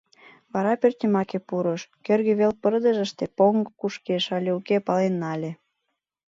Вара пӧртйымаке пурыш, кӧргӧ вел пырдыжыште поҥго кушкеш але уке, пален нале.